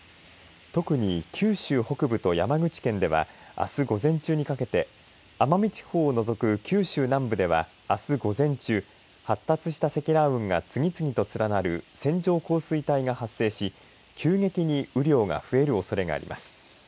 特に、九州北部と山口県ではあす、午前中にかけて奄美地方を除く九州南部ではあす午前中発達した積乱雲が次々と連なる線状降水帯が発生し急激に雨量が増えるおそれがあります。